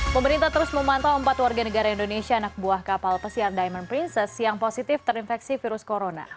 pemerintah terus memantau empat warga negara indonesia anak buah kapal pesiar diamond princess yang positif terinfeksi virus corona